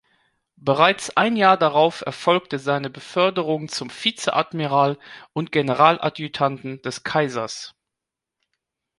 Bereits ein Jahr darauf erfolgte seine Beförderung zum Vizeadmiral und Generaladjutanten des Kaisers.